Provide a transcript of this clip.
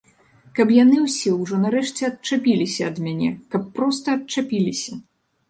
Каб яны ўсе ўжо нарэшце адчапіліся ад мяне, каб проста адчапіліся!